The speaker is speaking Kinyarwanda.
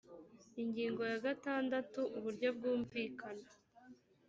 ingingo ya gatandatu uburyo bwumvikana